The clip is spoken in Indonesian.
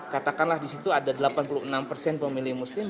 katakanlah disitu ada delapan puluh enam persen pemilih muslim